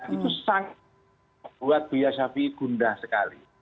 itu sangat membuat beliau syafi'i gundah sekali